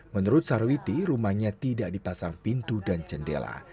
menurut sarwiti rumahnya tidak dipasang pintu dan jendela